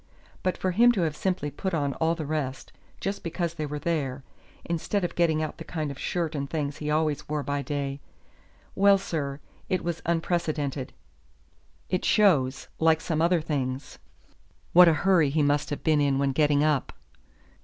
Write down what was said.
But for him to have simply put on all the rest just because they were there, instead of getting out the kind of shirt and things he always wore by day well, sir, it was unprecedented. It shows, like some other things, what a hurry he must have been in when getting up."